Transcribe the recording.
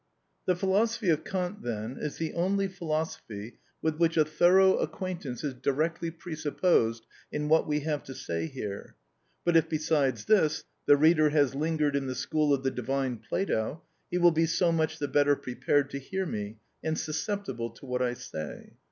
The philosophy of Kant, then, is the only philosophy with which a thorough acquaintance is directly presupposed in what we have to say here. But if, besides this, the reader has lingered in the school of the divine Plato, he will be so much the better prepared to hear me, and susceptible to what I say.